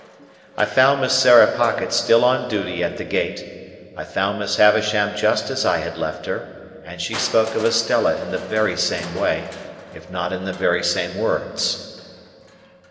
I found Miss Sarah Pocket still on duty at the gate; I found Miss Havisham just as I had left her, and she spoke of Estella in the very same way, if not in the very same words.